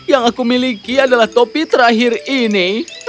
yang aku miliki adalah topi terakhir ini